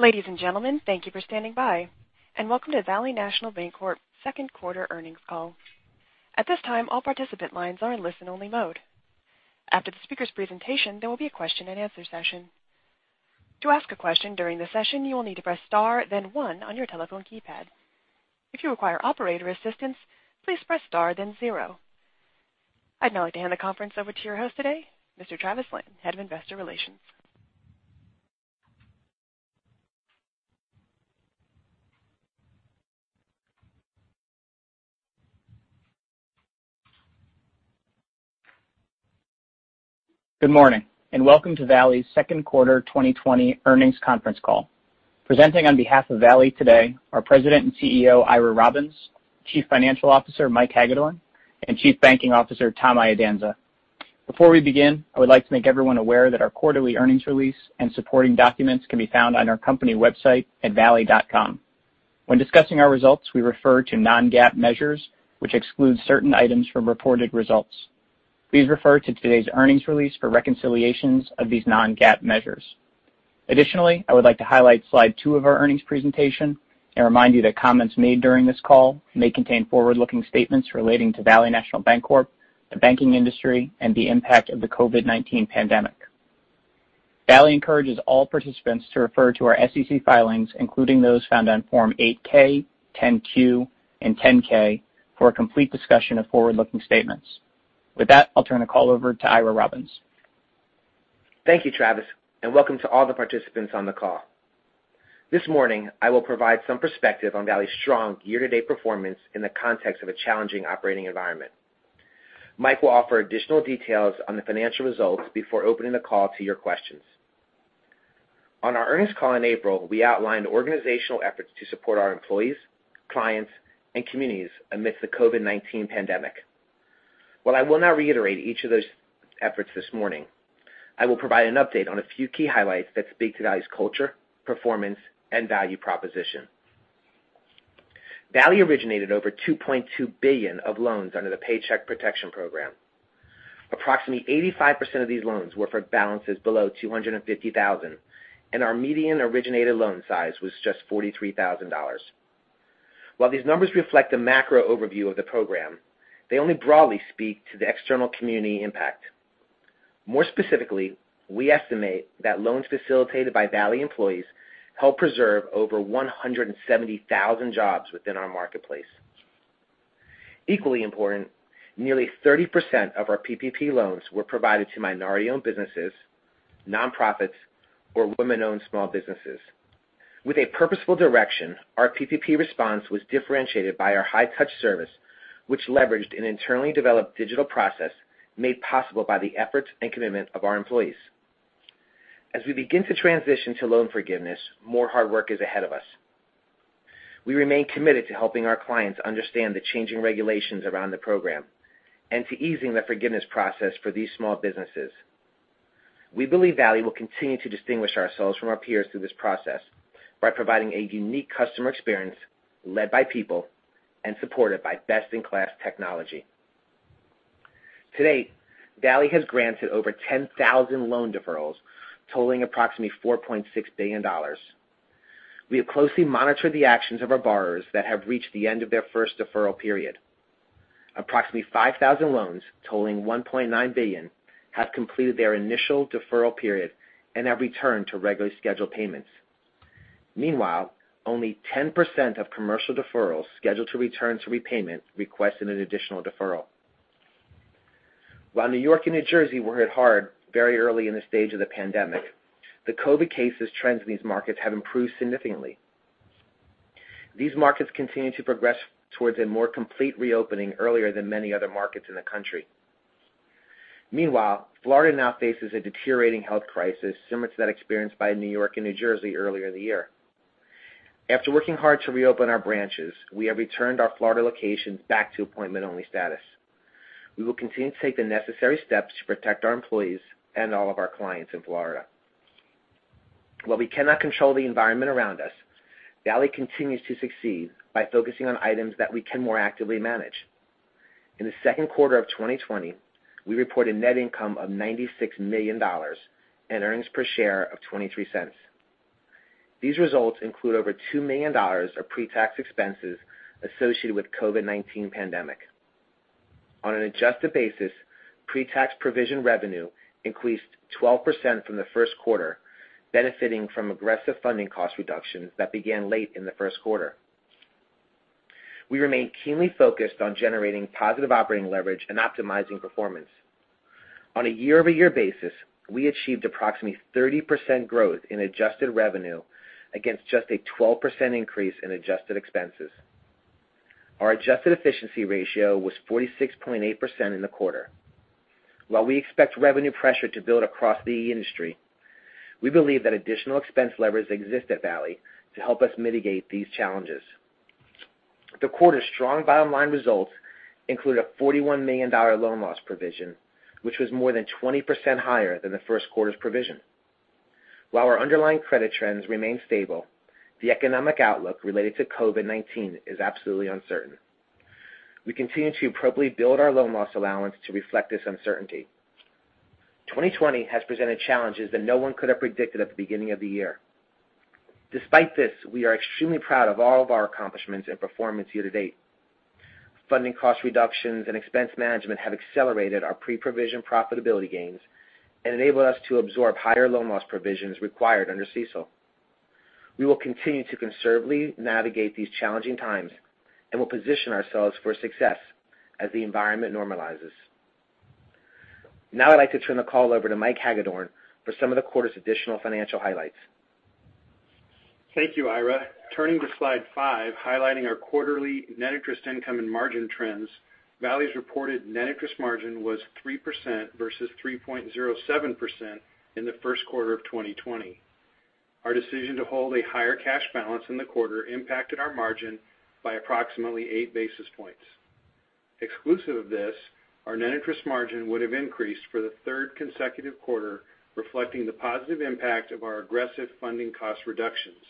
Ladies and gentlemen, thank you for standing by, and welcome to Valley National Bancorp second quarter earnings call. At this time, all participant lines are in listen only mode. After the speaker's presentation, there will be a question and answer session. To ask a question during the session, you will need to press star then one on your telephone keypad. If you require operator assistance, please press star then zero. I'd now like to hand the conference over to your host today, Mr. Travis Lan, Head of Investor Relations. Good morning, welcome to Valley's second quarter 2020 earnings conference call. Presenting on behalf of Valley today are President and CEO, Ira Robbins, Chief Financial Officer, Mike Hagedorn, and Chief Banking Officer, Tom Iadanza. Before we begin, I would like to make everyone aware that our quarterly earnings release and supporting documents can be found on our company website at valley.com. When discussing our results, we refer to non-GAAP measures, which excludes certain items from reported results. Please refer to today's earnings release for reconciliations of these non-GAAP measures. Additionally, I would like to highlight slide two of our earnings presentation and remind you that comments made during this call may contain forward-looking statements relating to Valley National Bancorp, the banking industry, and the impact of the COVID-19 pandemic. Valley encourages all participants to refer to our SEC filings, including those found on Form 8-K, 10-Q, and 10-K for a complete discussion of forward-looking statements. With that, I'll turn the call over to Ira Robbins. Thank you, Travis, and welcome to all the participants on the call. This morning, I will provide some perspective on Valley's strong year-to-date performance in the context of a challenging operating environment. Mike will offer additional details on the financial results before opening the call to your questions. On our earnings call in April, we outlined organizational efforts to support our employees, clients, and communities amidst the COVID-19 pandemic. While I will not reiterate each of those efforts this morning, I will provide an update on a few key highlights that speak to Valley's culture, performance, and value proposition. Valley originated over $2.2 billion of loans under the Paycheck Protection Program. Approximately 85% of these loans were for balances below $250,000, and our median originated loan size was just $43,000. While these numbers reflect a macro overview of the program, they only broadly speak to the external community impact. More specifically, we estimate that loans facilitated by Valley employees helped preserve over 170,000 jobs within our marketplace. Equally important, nearly 30% of our PPP loans were provided to minority-owned businesses, nonprofits, or women-owned small businesses. With a purposeful direction, our PPP response was differentiated by our high touch service, which leveraged an internally developed digital process made possible by the efforts and commitment of our employees. As we begin to transition to loan forgiveness, more hard work is ahead of us. We remain committed to helping our clients understand the changing regulations around the program and to easing the forgiveness process for these small businesses. We believe Valley will continue to distinguish ourselves from our peers through this process by providing a unique customer experience led by people and supported by best-in-class technology. To date, Valley has granted over 10,000 loan deferrals totaling approximately $4.6 billion. We have closely monitored the actions of our borrowers that have reached the end of their first deferral period. Approximately 5,000 loans totaling $1.9 billion have completed their initial deferral period and have returned to regularly scheduled payments. Meanwhile, only 10% of commercial deferrals scheduled to return to repayment requested an additional deferral. While New York and New Jersey were hit hard very early in the stage of the pandemic, the COVID-19 cases trends in these markets have improved significantly. These markets continue to progress towards a more complete reopening earlier than many other markets in the country. Meanwhile, Florida now faces a deteriorating health crisis similar to that experienced by New York and New Jersey earlier in the year. After working hard to reopen our branches, we have returned our Florida locations back to appointment-only status. We will continue to take the necessary steps to protect our employees and all of our clients in Florida. While we cannot control the environment around us, Valley continues to succeed by focusing on items that we can more actively manage. In the second quarter of 2020, we reported net income of $96 million and earnings per share of $0.23. These results include over $2 million of pre-tax expenses associated with COVID-19 pandemic. On an adjusted basis, pre-tax provision revenue increased 12% from the first quarter, benefiting from aggressive funding cost reductions that began late in the first quarter. We remain keenly focused on generating positive operating leverage and optimizing performance. On a year-over-year basis, we achieved approximately 30% growth in adjusted revenue against just a 12% increase in adjusted expenses. Our adjusted efficiency ratio was 46.8% in the quarter. While we expect revenue pressure to build across the industry, we believe that additional expense levers exist at Valley to help us mitigate these challenges. The quarter's strong bottom line results include a $41 million loan loss provision, which was more than 20% higher than the first quarter's provision. While our underlying credit trends remain stable, the economic outlook related to COVID-19 is absolutely uncertain. We continue to appropriately build our loan loss allowance to reflect this uncertainty. 2020 has presented challenges that no one could have predicted at the beginning of the year. Despite this, we are extremely proud of all of our accomplishments and performance year-to-date. Funding cost reductions and expense management have accelerated our pre-provision profitability gains and enabled us to absorb higher loan loss provisions required under CECL. We will continue to conservatively navigate these challenging times and will position ourselves for success as the environment normalizes. Now I'd like to turn the call over to Mike Hagedorn for some of the quarter's additional financial highlights. Thank you, Ira. Turning to slide five, highlighting our quarterly net interest income and margin trends. Valley's reported net interest margin was 3% versus 3.07% in the first quarter of 2020. Our decision to hold a higher cash balance in the quarter impacted our margin by approximately 8 basis points. Exclusive of this, our net interest margin would have increased for the third consecutive quarter, reflecting the positive impact of our aggressive funding cost reductions.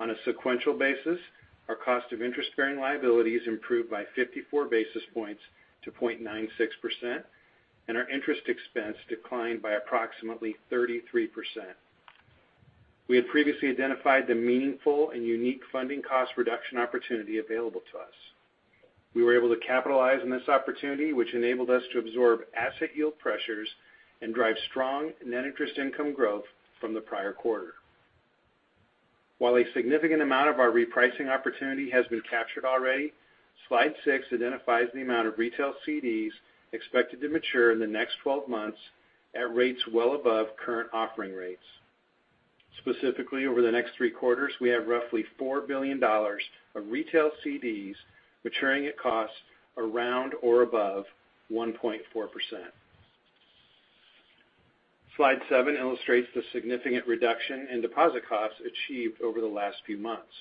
On a sequential basis, our cost of interest-bearing liabilities improved by 54 basis points to 0.96%, and our interest expense declined by approximately 33%. We had previously identified the meaningful and unique funding cost reduction opportunity available to us. We were able to capitalize on this opportunity, which enabled us to absorb asset yield pressures and drive strong net interest income growth from the prior quarter. While a significant amount of our repricing opportunity has been captured already, slide six identifies the amount of retail CDs expected to mature in the next 12 months at rates well above current offering rates. Specifically, over the next three quarters, we have roughly $4 billion of retail CDs maturing at costs around or above 1.4%. Slide seven illustrates the significant reduction in deposit costs achieved over the last few months.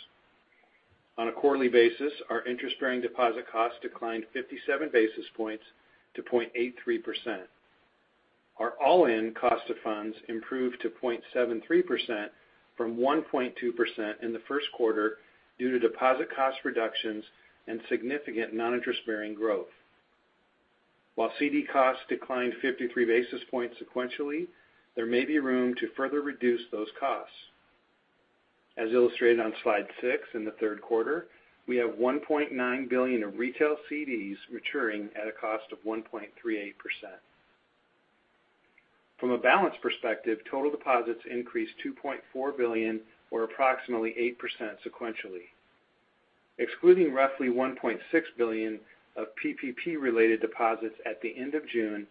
On a quarterly basis, our interest-bearing deposit cost declined 57 basis points to 0.83%. Our all-in cost of funds improved to 0.73% from 1.2% in the first quarter due to deposit cost reductions and significant non-interest-bearing growth. While CD costs declined 53 basis points sequentially, there may be room to further reduce those costs. As illustrated on slide six, in the third quarter, we have $1.9 billion of retail CDs maturing at a cost of 1.38%. From a balance perspective, total deposits increased $2.4 billion or approximately 8% sequentially. Excluding roughly $1.6 billion of PPP-related deposits at the end of June,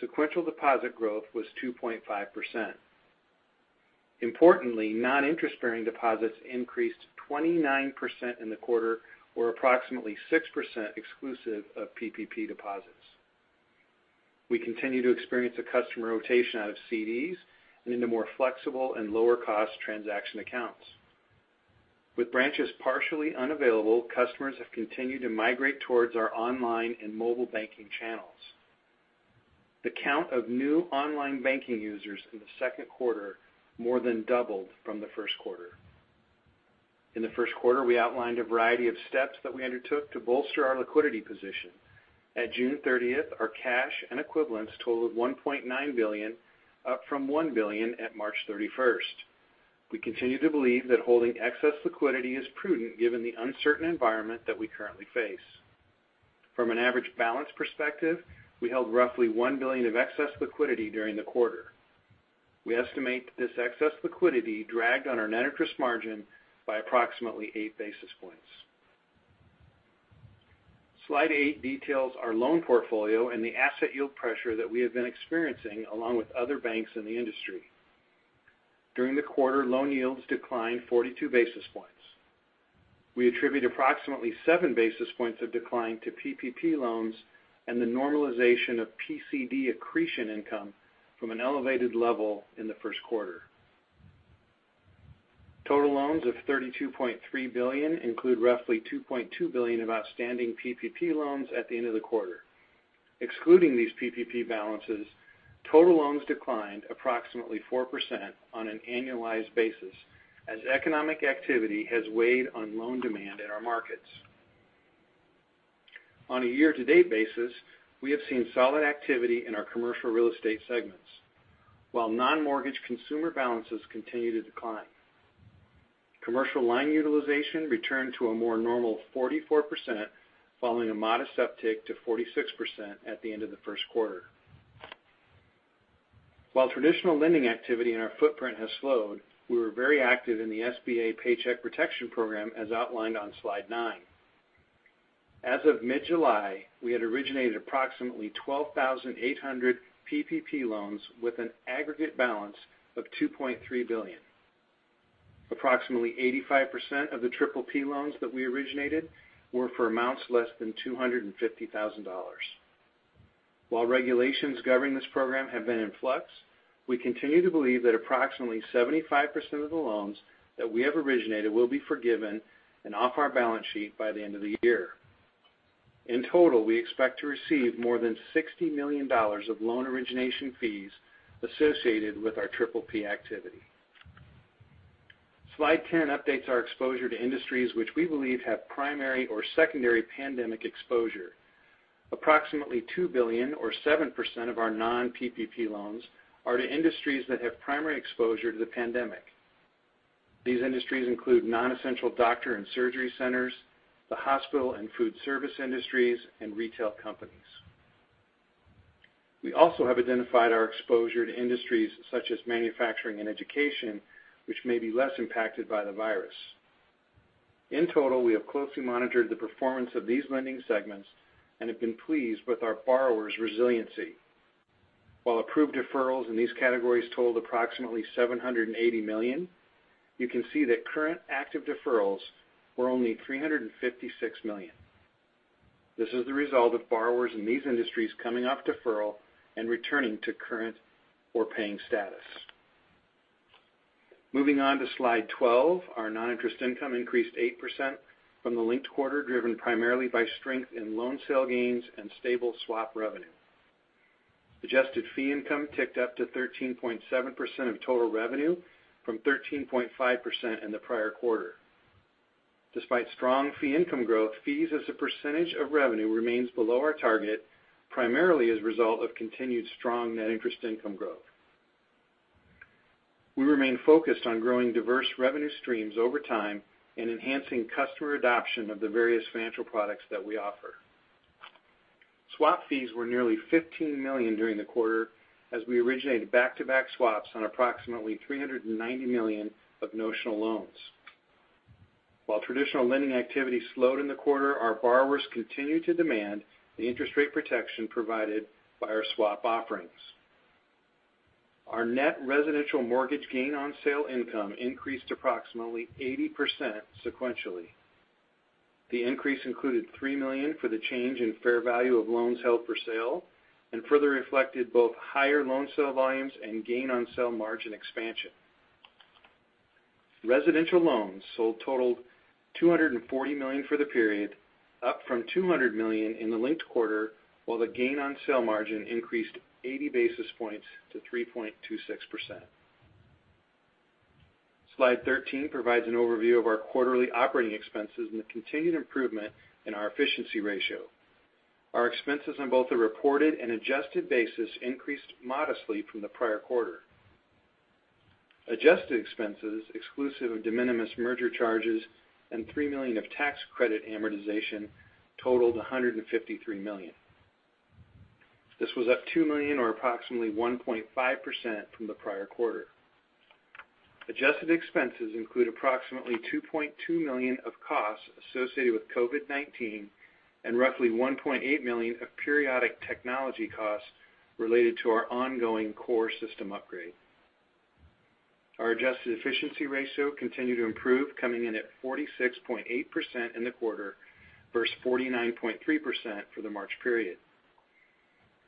sequential deposit growth was 2.5%. Importantly, non-interest-bearing deposits increased 29% in the quarter or approximately 6% exclusive of PPP deposits. We continue to experience a customer rotation out of CDs and into more flexible and lower-cost transaction accounts. With branches partially unavailable, customers have continued to migrate towards our online and mobile banking channels. The count of new online banking users in the second quarter more than doubled from the first quarter. In the first quarter, we outlined a variety of steps that we undertook to bolster our liquidity position. At June 30th, our cash and equivalents totaled $1.9 billion, up from $1 billion at March 31st. We continue to believe that holding excess liquidity is prudent given the uncertain environment that we currently face. From an average balance perspective, we held roughly $1 billion of excess liquidity during the quarter. We estimate that this excess liquidity dragged on our net interest margin by approximately eight basis points. Slide eight details our loan portfolio and the asset yield pressure that we have been experiencing, along with other banks in the industry. During the quarter, loan yields declined 42 basis points. We attribute approximately seven basis points of decline to PPP loans and the normalization of PCD accretion income from an elevated level in the first quarter. Total loans of $32.3 billion include roughly $2.2 billion of outstanding PPP loans at the end of the quarter. Excluding these PPP balances, total loans declined approximately 4% on an annualized basis as economic activity has weighed on loan demand in our markets. On a year-to-date basis, we have seen solid activity in our commercial real estate segments, while non-mortgage consumer balances continue to decline. Commercial line utilization returned to a more normal 44%, following a modest uptick to 46% at the end of the first quarter. While traditional lending activity in our footprint has slowed, we were very active in the SBA Paycheck Protection Program, as outlined on slide nine. As of mid-July, we had originated approximately 12,800 PPP loans with an aggregate balance of $2.3 billion. Approximately 85% of the PPP loans that we originated were for amounts less than $250,000. While regulations governing this program have been in flux, we continue to believe that approximately 75% of the loans that we have originated will be forgiven and off our balance sheet by the end of the year. In total, we expect to receive more than $60 million of loan origination fees associated with our PPP activity. Slide 10 updates our exposure to industries which we believe have primary or secondary pandemic exposure. Approximately $2 billion or 7% of our non-PPP loans are to industries that have primary exposure to the pandemic. These industries include non-essential doctor and surgery centers, the hospital and food service industries, and retail companies. We also have identified our exposure to industries such as manufacturing and education, which may be less impacted by the virus. In total, we have closely monitored the performance of these lending segments and have been pleased with our borrowers' resiliency. While approved deferrals in these categories totaled approximately $780 million, you can see that current active deferrals were only $356 million. This is the result of borrowers in these industries coming off deferral and returning to current or paying status. Moving on to Slide 12, our non-interest income increased 8% from the linked quarter, driven primarily by strength in loan sale gains and stable swap revenue. Adjusted fee income ticked up to 13.7% of total revenue from 13.5% in the prior quarter. Despite strong fee income growth, fees as a percentage of revenue remains below our target, primarily as a result of continued strong net interest income growth. We remain focused on growing diverse revenue streams over time and enhancing customer adoption of the various financial products that we offer. Swap fees were nearly $15 million during the quarter, as we originated back-to-back swaps on approximately $390 million of notional loans. While traditional lending activity slowed in the quarter, our borrowers continued to demand the interest rate protection provided by our swap offerings. Our net residential mortgage gain on sale income increased approximately 80% sequentially. The increase included $3 million for the change in fair value of loans held for sale, and further reflected both higher loan sale volumes and gain on sale margin expansion. Residential loans sold totaled $240 million for the period, up from $200 million in the linked quarter, while the gain on sale margin increased 80 basis points to 3.26%. Slide 13 provides an overview of our quarterly operating expenses and the continued improvement in our efficiency ratio. Our expenses on both the reported and adjusted basis increased modestly from the prior quarter. Adjusted expenses, exclusive of de minimis merger charges and $3 million of tax credit amortization, totaled $153 million. This was up $2 million or approximately 1.5% from the prior quarter. Adjusted expenses include approximately $2.2 million of costs associated with COVID-19 and roughly $1.8 million of periodic technology costs related to our ongoing core system upgrade. Our adjusted efficiency ratio continued to improve, coming in at 46.8% in the quarter versus 49.3% for the March period.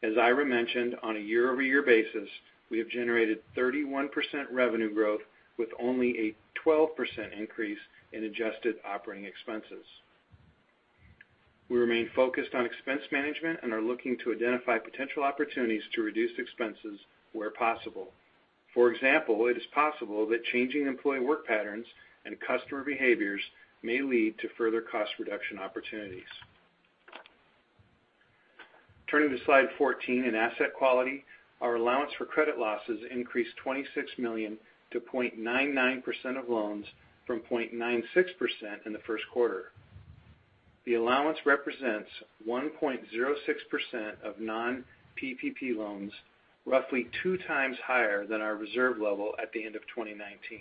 As Ira mentioned, on a year-over-year basis, we have generated 31% revenue growth with only a 12% increase in adjusted operating expenses. We remain focused on expense management and are looking to identify potential opportunities to reduce expenses where possible. For example, it is possible that changing employee work patterns and customer behaviors may lead to further cost reduction opportunities. Turning to slide 14 in asset quality, our allowance for credit losses increased $26 million to 0.99% of loans from 0.96% in the first quarter. The allowance represents 1.06% of non-PPP loans, roughly 2x higher than our reserve level at the end of 2019.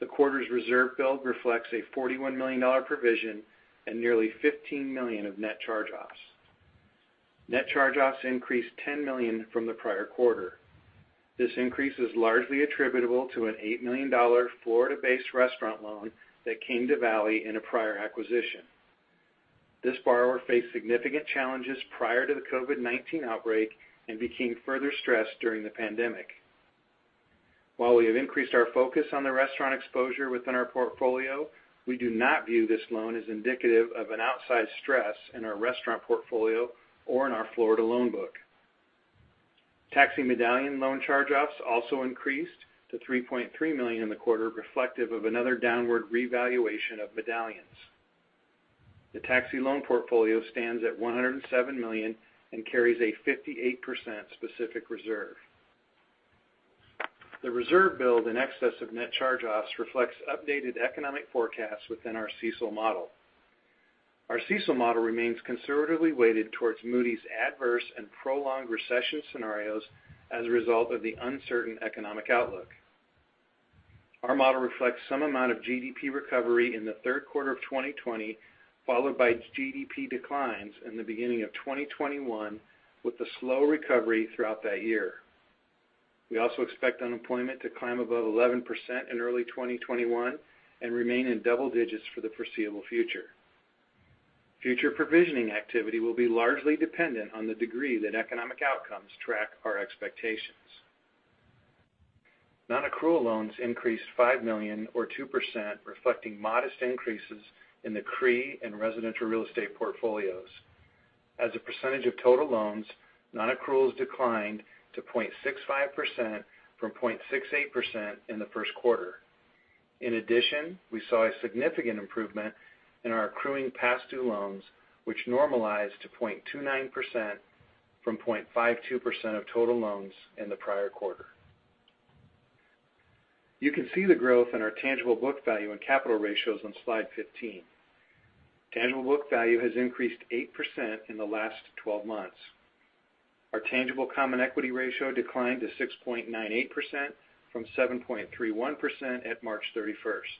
The quarter's reserve build reflects a $41 million provision and nearly $15 million of net charge-offs. Net charge-offs increased $10 million from the prior quarter. This increase is largely attributable to an $8 million Florida-based restaurant loan that came to Valley in a prior acquisition. This borrower faced significant challenges prior to the COVID-19 outbreak and became further stressed during the pandemic. While we have increased our focus on the restaurant exposure within our portfolio, we do not view this loan as indicative of an outsized stress in our restaurant portfolio or in our Florida loan book. Taxi medallion loan charge-offs also increased to $3.3 million in the quarter, reflective of another downward revaluation of medallions. The taxi loan portfolio stands at $107 million and carries a 58% specific reserve. The reserve build in excess of net charge-offs reflects updated economic forecasts within our CECL model. Our CECL model remains conservatively weighted towards Moody's adverse and prolonged recession scenarios as a result of the uncertain economic outlook. Our model reflects some amount of GDP recovery in the third quarter of 2020, followed by GDP declines in the beginning of 2021, with a slow recovery throughout that year. We also expect unemployment to climb above 11% in early 2021 and remain in double digits for the foreseeable future. Future provisioning activity will be largely dependent on the degree that economic outcomes track our expectations. Non-accrual loans increased $5 million or 2%, reflecting modest increases in the CRE and residential real estate portfolios. As a percentage of total loans, non-accruals declined to 0.65% from 0.68% in the first quarter. In addition, we saw a significant improvement in our accruing past due loans, which normalized to 0.29% from 0.52% of total loans in the prior quarter. You can see the growth in our tangible book value and capital ratios on slide 15. Tangible book value has increased 8% in the last 12 months. Our tangible common equity ratio declined to 6.98% from 7.31% at March 31st.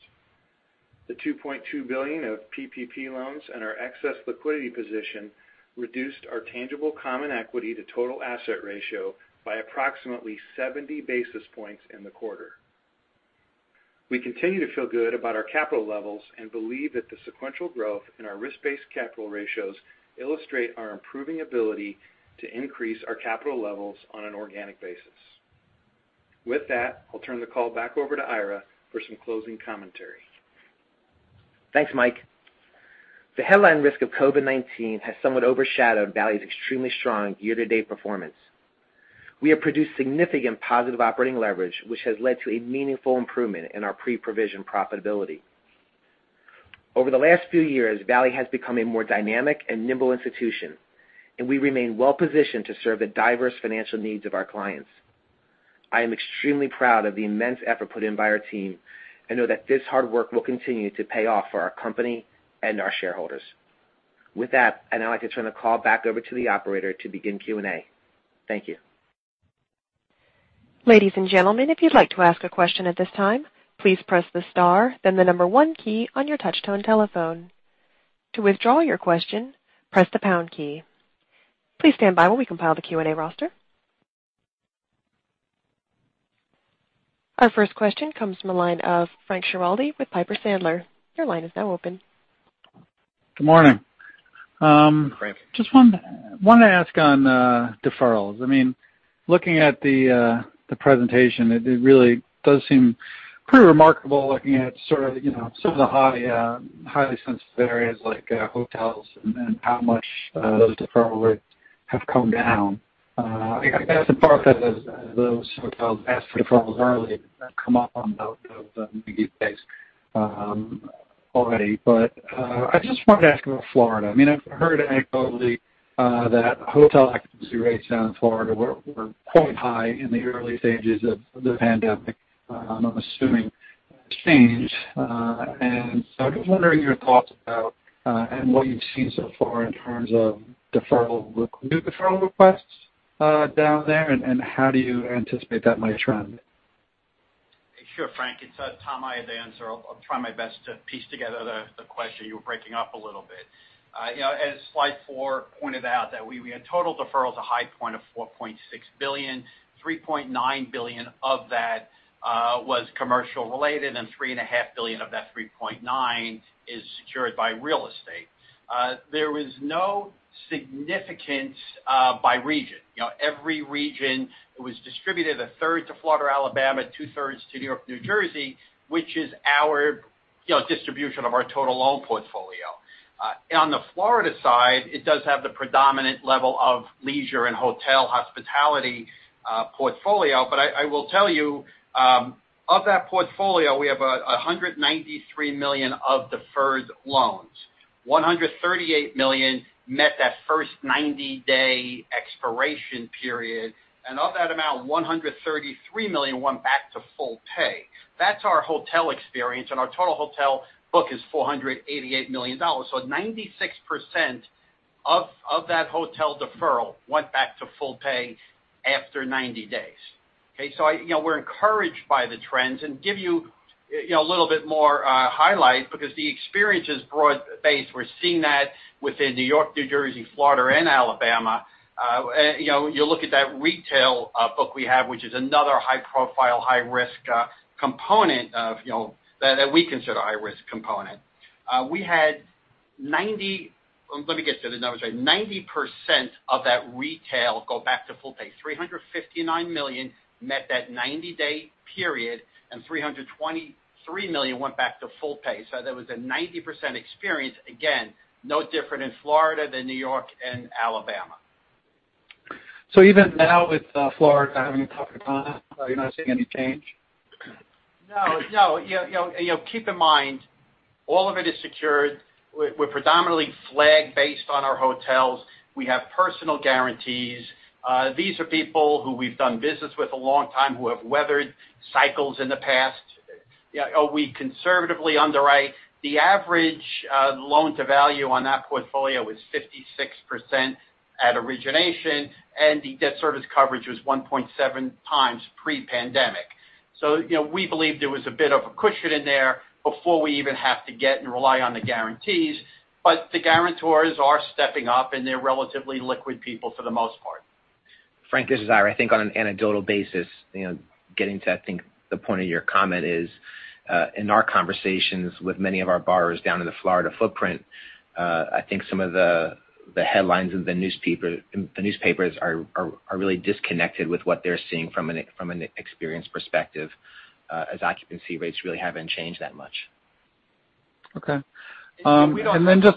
The $2.2 billion of PPP loans and our excess liquidity position reduced our tangible common equity to total asset ratio by approximately 70 basis points in the quarter. We continue to feel good about our capital levels and believe that the sequential growth in our risk-based capital ratios illustrate our improving ability to increase our capital levels on an organic basis. With that, I'll turn the call back over to Ira for some closing commentary. Thanks, Mike. The headline risk of COVID-19 has somewhat overshadowed Valley's extremely strong year-to-date performance. We have produced significant positive operating leverage, which has led to a meaningful improvement in our pre-provision profitability. Over the last few years, Valley has become a more dynamic and nimble institution, and we remain well-positioned to serve the diverse financial needs of our clients. I am extremely proud of the immense effort put in by our team and know that this hard work will continue to pay off for our company and our shareholders. With that, I'd now like to turn the call back over to the operator to begin Q&A. Thank you. Ladies and gentlemen, if you'd like to ask a question at this time, please press the star then the number one key on your touchtone telephone. To withdraw your question, press the pound key. Please stand by while we compile the Q&A roster. Our first question comes from the line of Frank Schiraldi with Piper Sandler. Your line is now open. Good morning. Frank. Wanted to ask on deferrals. Looking at the presentation, it really does seem pretty remarkable looking at some of the highly sensitive areas like hotels and how much those deferrals have come down. That's in part because those hotels asked for deferrals early have come up on those 90 days already. I just wanted to ask about Florida. I've heard anecdotally that hotel occupancy rates down in Florida were quite high in the early stages of the pandemic. I'm assuming that changed. I'm just wondering your thoughts about and what you've seen so far in terms of new deferral requests down there and how do you anticipate that might trend? Sure, Frank. It's Tom Iadanza. I'll try my best to piece together the question. You were breaking up a little bit. As slide four pointed out, that we had total deferrals a high point of $4.6 billion, $3.9 billion of that was commercial related, and $3.5 billion of that $3.9 billion is secured by real estate. There was no significance by region. Every region, it was distributed a third to Florida, Alabama, 2/3 to New York, New Jersey, which is our distribution of our total loan portfolio. On the Florida side, it does have the predominant level of leisure and hotel hospitality portfolio. I will tell you, of that portfolio, we have $193 million of deferred loans. $138 million met that first 90-day expiration period. Of that amount, $133 million went back to full pay. That's our hotel experience, and our total hotel book is $488 million. 96% of that hotel deferral went back to full pay after 90 days. Okay. We're encouraged by the trends. Give you a little bit more highlight because the experience is broad-based. We're seeing that within New York, New Jersey, Florida, and Alabama. You look at that retail book we have, which is another high-profile, high-risk component that we consider a high-risk component. Let me get to the numbers right. 90% of that retail go back to full pay. $359 million met that 90-day period, and $323 million went back to full pay. There was a 90% experience. Again, no different in Florida than New York and Alabama. Even now with Florida having a tougher time, you're not seeing any change? No. Keep in mind, all of it is secured. We're predominantly flag based on our hotels. We have personal guarantees. These are people who we've done business with a long time, who have weathered cycles in the past. We conservatively underwrite. The average loan to value on that portfolio is 56% at origination, and the debt service coverage was 1.7x pre-pandemic. We believed there was a bit of a cushion in there before we even have to get and rely on the guarantees. The guarantors are stepping up, and they're relatively liquid people for the most part. Frank, this is Ira. I think on an anecdotal basis, getting to I think the point of your comment is, in our conversations with many of our borrowers down in the Florida footprint, I think some of the headlines in the newspapers are really disconnected with what they're seeing from an experience perspective as occupancy rates really haven't changed that much. Okay. Just.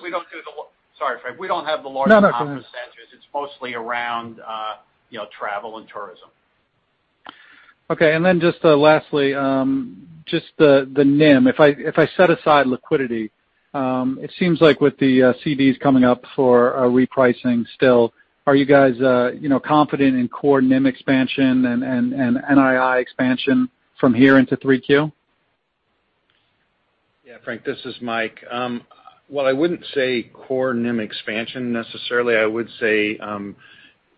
Sorry, Frank. We don't have the large percentages. No, go ahead. It's mostly around travel and tourism. Okay, then just lastly, just the NIM. If I set aside liquidity, it seems like with the CDs coming up for a repricing still, are you guys confident in core NIM expansion and NII expansion from here into three Q? Yeah, Frank, this is Mike. While I wouldn't say core NIM expansion necessarily, I would say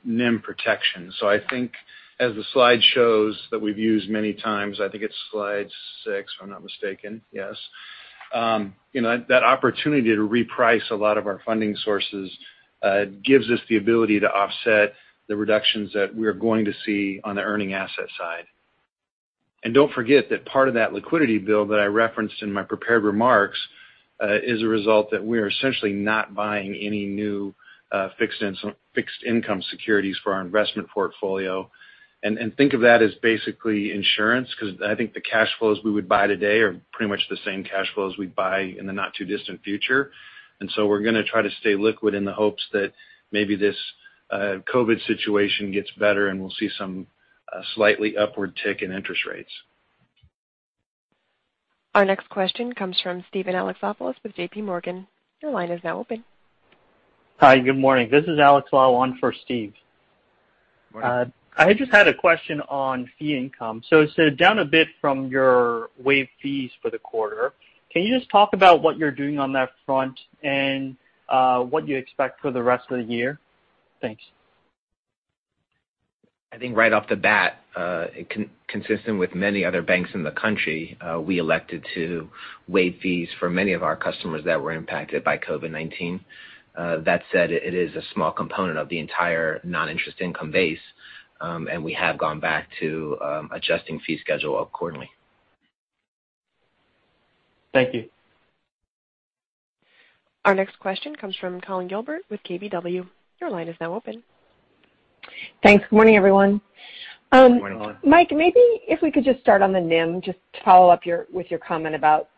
NIM protection. I think as the slide shows that we've used many times, I think it's slide six if I'm not mistaken. Yes. That opportunity to reprice a lot of our funding sources gives us the ability to offset the reductions that we're going to see on the earning asset side. Don't forget that part of that liquidity bill that I referenced in my prepared remarks is a result that we're essentially not buying any new fixed income securities for our investment portfolio. Think of that as basically insurance because I think the cash flows we would buy today are pretty much the same cash flows we'd buy in the not too distant future. We're going to try to stay liquid in the hopes that maybe this COVID situation gets better and we'll see some slightly upward tick in interest rates. Our next question comes from Steven Alexopoulos with JPMorgan. Your line is now open. Hi, good morning. This is Alex Lau for Steve. Morning. I just had a question on fee income. Down a bit from your waived fees for the quarter. Can you just talk about what you're doing on that front and what you expect for the rest of the year? Thanks. I think right off the bat, consistent with many other banks in the country, we elected to waive fees for many of our customers that were impacted by COVID-19. That said, it is a small component of the entire non-interest income base. We have gone back to adjusting fee schedule accordingly. Thank you. Our next question comes from Collyn Gilbert with KBW. Your line is now open. Thanks. Good morning, everyone. Morning, Collyn. Mike, maybe if we could just start on the NIM, just to follow up with your comment about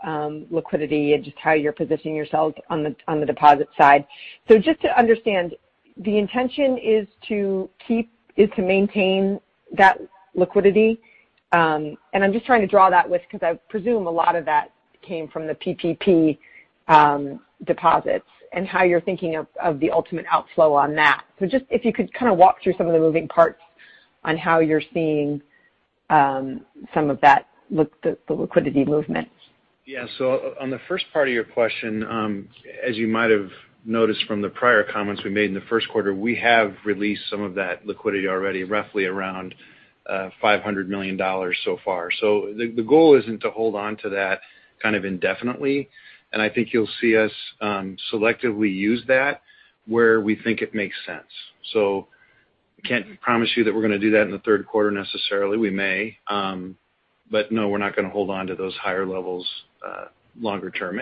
liquidity and just how you're positioning yourselves on the deposit side. Just to understand, the intention is to maintain that liquidity? And I'm just trying to draw that because I presume a lot of that came from the PPP deposits and how you're thinking of the ultimate outflow on that. Just if you could kind of walk through some of the moving parts on how you're seeing some of the liquidity movements. On the first part of your question, as you might have noticed from the prior comments we made in the first quarter, we have released some of that liquidity already, roughly around $500 million so far. The goal isn't to hold onto that kind of indefinitely, and I think you'll see us selectively use that where we think it makes sense. Can't promise you that we're going to do that in the third quarter necessarily. We may. No, we're not going to hold onto those higher levels longer term.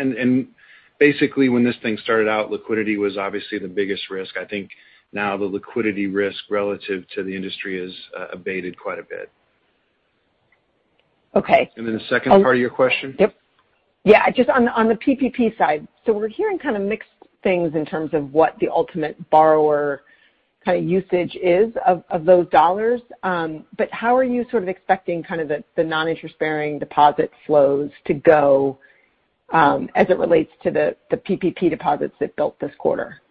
Basically when this thing started out, liquidity was obviously the biggest risk. I think now the liquidity risk relative to the industry has abated quite a bit. Okay. The second part of your question? Yep. Yeah, just on the PPP side. We're hearing kind of mixed things in terms of what the ultimate borrower kind of usage is of those dollars. How are you sort of expecting kind of the non-interest-bearing deposit flows to go as it relates to the PPP deposits that built this quarter?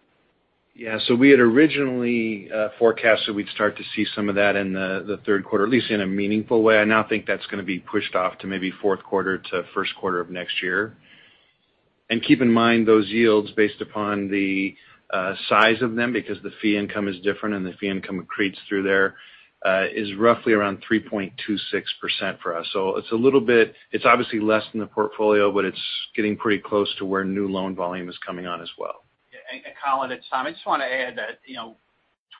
Yeah. We had originally forecasted we'd start to see some of that in the third quarter, at least in a meaningful way. I now think that's going to be pushed off to maybe fourth quarter to first quarter of next year. Keep in mind those yields based upon the size of them because the fee income is different and the fee income accretes through there, is roughly around 3.26% for us. It's obviously less than the portfolio, but it's getting pretty close to where new loan volume is coming on as well. Collyn, it's Tom. I just want to add that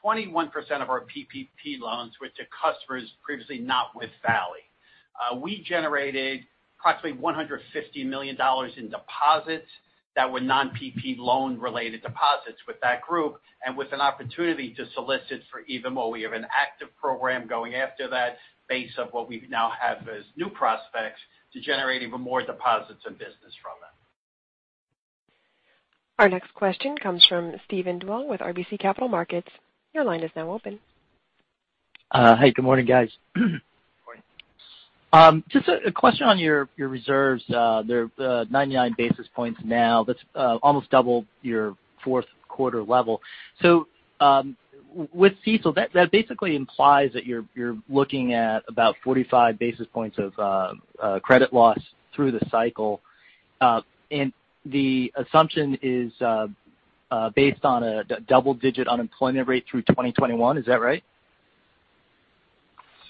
21% of our PPP loans went to customers previously not with Valley. We generated approximately $150 million in deposits that were non-PPP loan related deposits with that group and with an opportunity to solicit for even more. We have an active program going after that base of what we now have as new prospects to generate even more deposits and business from them. Our next question comes from Steven Duong with RBC Capital Markets. Your line is now open. Hey, good morning, guys. Just a question on your reserves. They're 99 basis points now. That's almost double your fourth quarter level. With CECL, that basically implies that you're looking at about 45 basis points of credit loss through the cycle. The assumption is based on a double-digit unemployment rate through 2021. Is that right?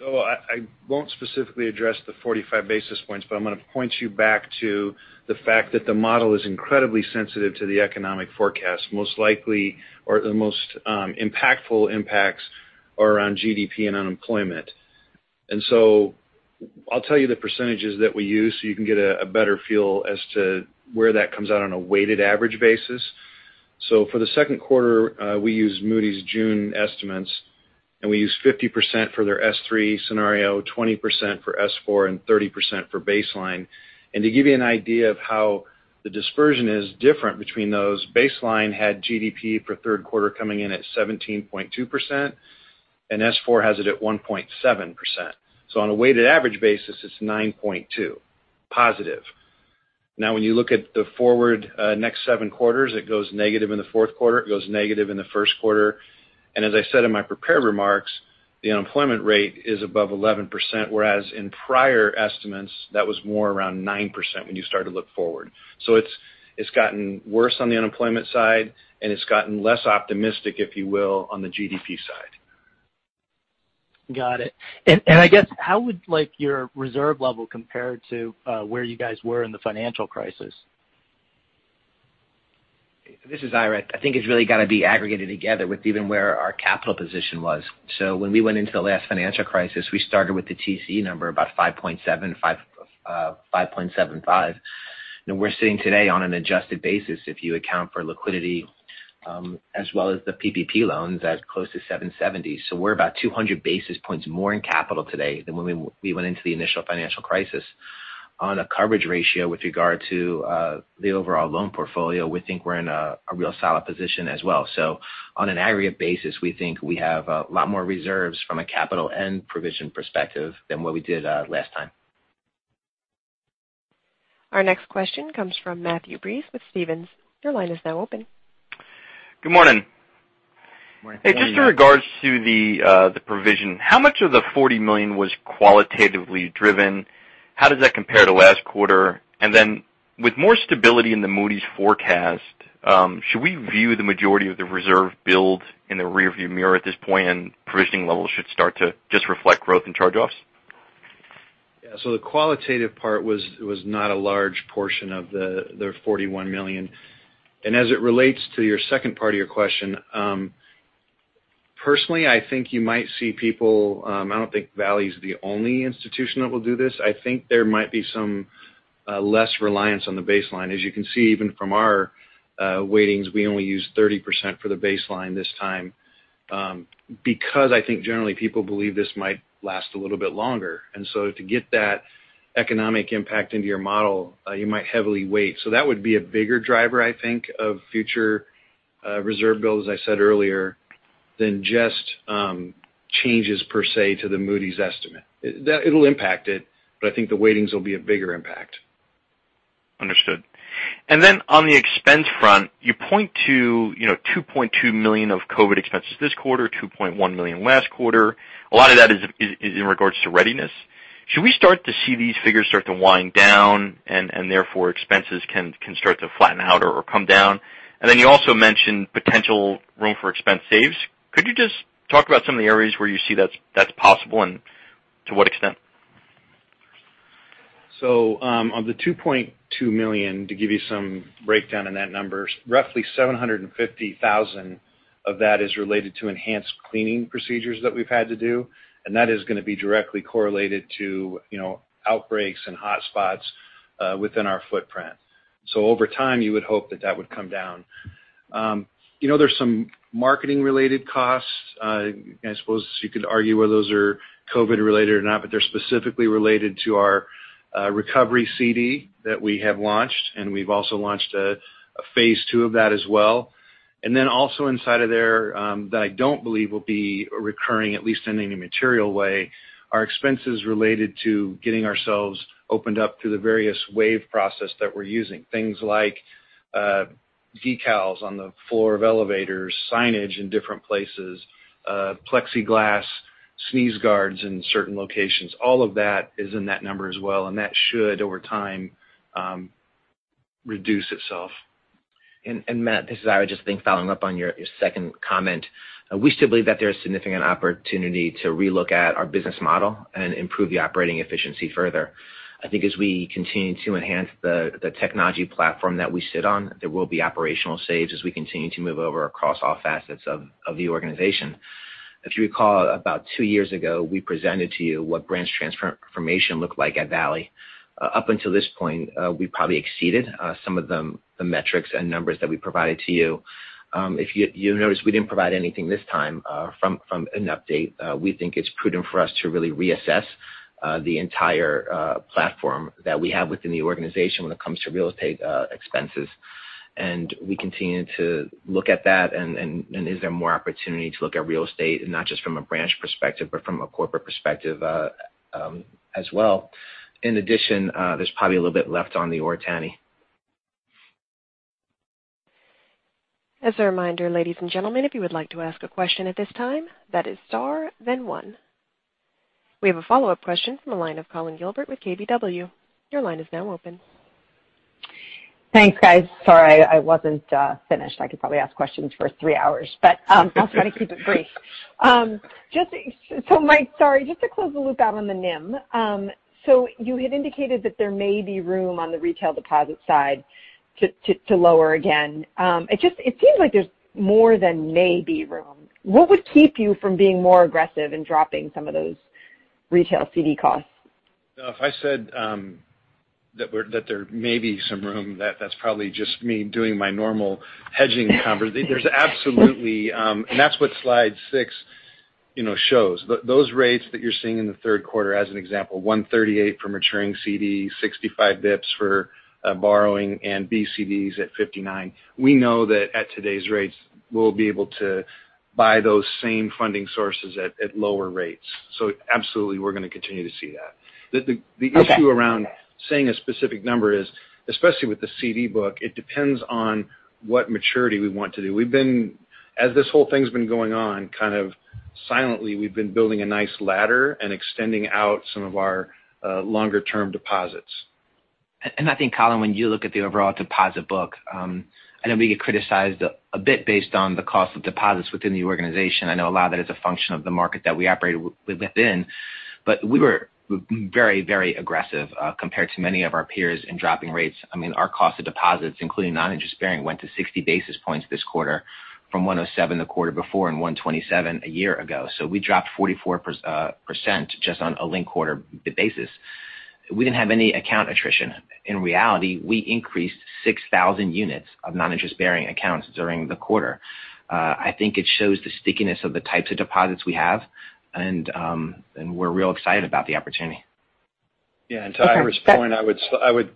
I won't specifically address the 45 basis points, but I'm going to point you back to the fact that the model is incredibly sensitive to the economic forecast. Most likely or the most impactful impacts are around GDP and unemployment. I'll tell you the percentages that we use so you can get a better feel as to where that comes out on a weighted average basis. For the second quarter, we used Moody's June estimates, and we used 50% for their S3 scenario, 20% for S4, and 30% for baseline. To give you an idea of how the dispersion is different between those, baseline had GDP for third quarter coming in at 17.2%, and S4 has it at 1.7%. On a weighted average basis, it's 9.2+. Now when you look at the forward next seven quarters, it goes negative in the fourth quarter, it goes negative in the first quarter. As I said in my prepared remarks, the unemployment rate is above 11%, whereas in prior estimates, that was more around 9% when you start to look forward. It's gotten worse on the unemployment side, and it's gotten less optimistic, if you will, on the GDP side. Got it. I guess, how would your reserve level compare to where you guys were in the financial crisis? This is Ira. I think it's really got to be aggregated together with even where our capital position was. When we went into the last financial crisis, we started with the TCE number about 5.7, 5.75. Now we're sitting today on an adjusted basis if you account for liquidity, as well as the PPP loans at close to 770. We're about 200 basis points more in capital today than when we went into the initial financial crisis. On a coverage ratio with regard to the overall loan portfolio, we think we're in a real solid position as well. On an aggregate basis, we think we have a lot more reserves from a capital and provision perspective than what we did last time. Our next question comes from Matthew Breese with Stephens. Your line is now open. Good morning. Morning. Hey, just in regards to the provision, how much of the $40 million was qualitatively driven? How does that compare to last quarter? With more stability in the Moody's forecast, should we view the majority of the reserve build in the rearview mirror at this point and provisioning levels should start to just reflect growth in charge-offs? The qualitative part was not a large portion of the $41 million. As it relates to your second part of your question, personally, I think you might see people. I don't think Valley's the only institution that will do this. I think there might be some less reliance on the baseline. As you can see, even from our weightings, we only use 30% for the baseline this time because I think generally people believe this might last a little bit longer. To get that economic impact into your model, you might heavily weight. That would be a bigger driver, I think, of future reserve build, as I said earlier, than just changes per se to the Moody's estimate. It'll impact it, but I think the weightings will be a bigger impact. Understood. On the expense front, you point to $2.2 million of COVID expenses this quarter, $2.1 million last quarter. A lot of that is in regards to readiness. Should we start to see these figures start to wind down and therefore expenses can start to flatten out or come down? You also mentioned potential room for expense saves. Could you just talk about some of the areas where you see that's possible and to what extent? On the $2.2 million, to give you some breakdown in that number, roughly $750,000 of that is related to enhanced cleaning procedures that we've had to do, and that is going to be directly correlated to outbreaks and hotspots within our footprint. Over time, you would hope that that would come down. There's some marketing-related costs. I suppose you could argue whether those are COVID related or not, but they're specifically related to our recovery CD that we have launched, and we've also launched a phase 2 of that as well. Also inside of there, that I don't believe will be recurring, at least in any material way, are expenses related to getting ourselves opened up through the various wave process that we're using. Things like decals on the floor of elevators, signage in different places, plexiglass sneeze guards in certain locations. All of that is in that number as well, and that should, over time, reduce itself. Matt, this is Ira. Just think following up on your second comment. We still believe that there is significant opportunity to re-look at our business model and improve the operating efficiency further. I think as we continue to enhance the technology platform that we sit on, there will be operational saves as we continue to move over across all facets of the organization. If you recall, about two years ago, we presented to you what branch transformation looked like at Valley. Up until this point, we probably exceeded some of the metrics and numbers that we provided to you. If you notice, we didn't provide anything this time from an update. We think it's prudent for us to really reassess the entire platform that we have within the organization when it comes to real estate expenses. We continue to look at that and is there more opportunity to look at real estate, and not just from a branch perspective, but from a corporate perspective as well. In addition, there's probably a little bit left on the Oritani. As a reminder, ladies and gentlemen, if you would like to ask a question at this time, that is star then one. We have a follow-up question from the line of Collyn Gilbert with KBW. Your line is now open. Thanks, guys. Sorry, I wasn't finished. I could probably ask questions for three hours, but I'll try to keep it brief. Mike, sorry, just to close the loop out on the NIM. You had indicated that there may be room on the retail deposit side to lower again. It seems like there's more than may be room. What would keep you from being more aggressive in dropping some of those retail CD costs? If I said that there may be some room, that's probably just me doing my normal hedging conversation. There's absolutely. That's what slide six shows. Those rates that you're seeing in the third quarter, as an example, 138 for maturing CDs, 65 basis points for borrowing, and BCDs at 59. We know that at today's rates, we'll be able to buy those same funding sources at lower rates. Absolutely, we're going to continue to see that. The issue around saying a specific number is, especially with the CD book, it depends on what maturity we want to do. As this whole thing's been going on, kind of silently, we've been building a nice ladder and extending out some of our longer-term deposits. I think, Collyn, when you look at the overall deposit book, I know we get criticized a bit based on the cost of deposits within the organization. I know a lot of that is a function of the market that we operate within. We were very aggressive compared to many of our peers in dropping rates. Our cost of deposits, including non-interest-bearing, went to 60 basis points this quarter from 107 the quarter before and 127 a year ago. We dropped 44% just on a linked-quarter basis. We didn't have any account attrition. In reality, we increased 6,000 units of non-interest-bearing accounts during the quarter. I think it shows the stickiness of the types of deposits we have, and we're real excited about the opportunity. Yeah. To Ira's point, I would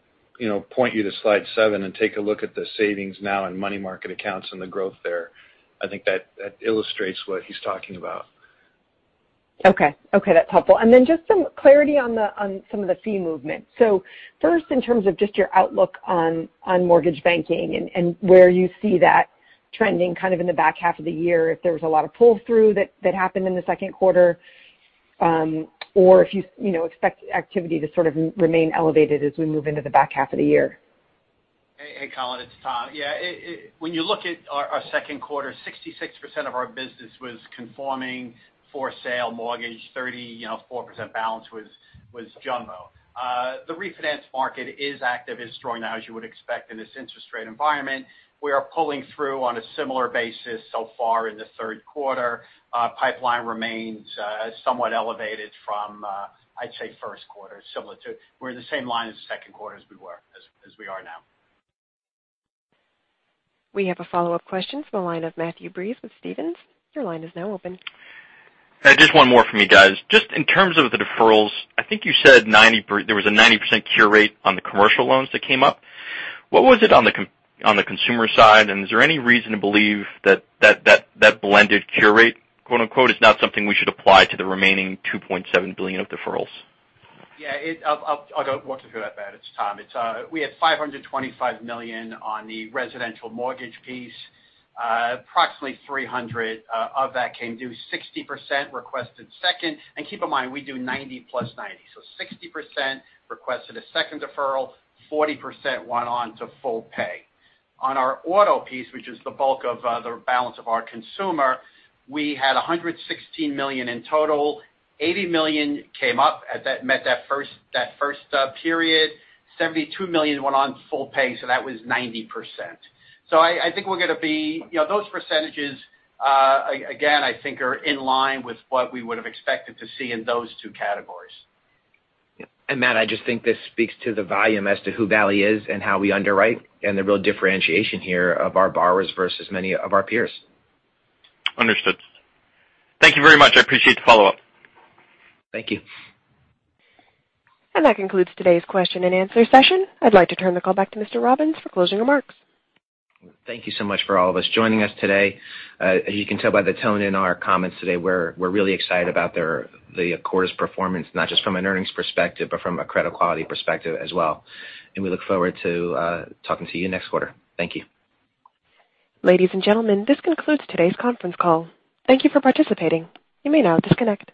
point you to slide seven and take a look at the savings now and money market accounts and the growth there. I think that illustrates what he's talking about. Okay. That's helpful. Then just some clarity on some of the fee movement. First, in terms of just your outlook on mortgage banking and where you see that trending kind of in the back half of the year, if there was a lot of pull-through that happened in the second quarter, or if you expect activity to sort of remain elevated as we move into the back half of the year? Hey, Collyn, it's Tom. Yeah. When you look at our second quarter, 66% of our business was conforming for-sale mortgage, 34% balance was jumbo. The refinance market is active and strong now, as you would expect in this interest rate environment. We are pulling through on a similar basis so far in the third quarter. Pipeline remains somewhat elevated from, I'd say, first quarter similar to. We're in the same line as the second quarter as we are now. We have a follow-up question from the line of Matthew Breese with Stephens. Your line is now open. Just one more from me, guys. Just in terms of the deferrals, I think you said there was a 90% cure rate on the commercial loans that came up. What was it on the consumer side? Is there any reason to believe that that blended cure rate, quote-unquote, "is not something we should apply to the remaining $2.7 billion of deferrals? Yeah. I'll go. It's Tom. We had $525 million on the residential mortgage piece. Approximately $300 million of that came due, 60% requested second. Keep in mind, we do 90+90. 60% requested a second deferral, 40% went on to full pay. On our auto piece, which is the bulk of the balance of our consumer, we had $116 million in total. $80 million came up at that first period. $72 million went on full pay, so that was 90%. Those percentages, again, I think are in line with what we would have expected to see in those two categories. Matt, I just think this speaks to the volume as to who Valley is and how we underwrite and the real differentiation here of our borrowers versus many of our peers. Understood. Thank you very much. I appreciate the follow-up. Thank you. That concludes today's question and answer session. I'd like to turn the call back to Mr. Robbins for closing remarks. Thank you so much for all of us joining us today. You can tell by the tone in our comments today we're really excited about the quarter's performance, not just from an earnings perspective, but from a credit quality perspective as well. We look forward to talking to you next quarter. Thank you. Ladies and gentlemen, this concludes today's conference call. Thank you for participating. You may now disconnect.